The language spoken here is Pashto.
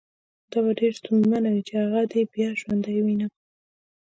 دا به ډېره ستونزمنه وي چې هغه دې بیا ژوندی ووینم